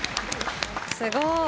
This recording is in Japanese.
すごい。